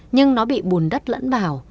nhưng nó bị bùn đất lẫn bào